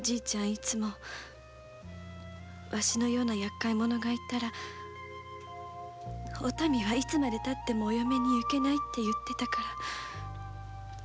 いつも「ワシのような厄介者がいたらおたみはいつまでたっても嫁に行けない」って言ってたから。